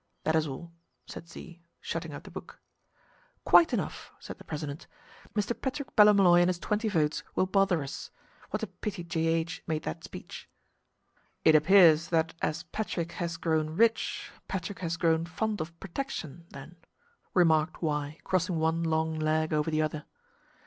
That is all," said Z, shutting up the book. "Quite enough," said the president. "Mr. Patrick Ballymolloy and his twenty votes will bother us. What a pity J.H. made that speech!" "It appears that as Patrick has grown rich, Patrick has grown fond of protection, then," remarked Y, crossing one long leg over the other.